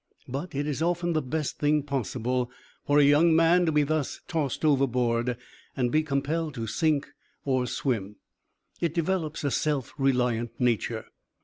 But it is often the best thing possible for a young man to be thus tossed over board, and be compelled to sink or swim. It develops a self reliant nature.